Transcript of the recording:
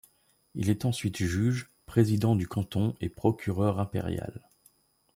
Il est ensuite juge, président du canton et procureur impérial.